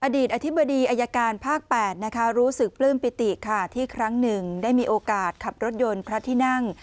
อดีตอธิบดีอายการภาค๘รู้สึกปลื้มปิติค่ะที่ครั้งหนึ่งได้มีโอกาสขับรถยนต์พระที่นั่ง